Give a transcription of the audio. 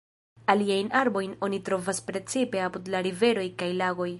Aliajn arbojn oni trovas precipe apud la riveroj kaj lagoj.